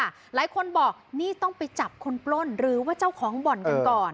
หลายคนบอกนี่ต้องไปจับคนปล้นหรือว่าเจ้าของบ่อนกันก่อน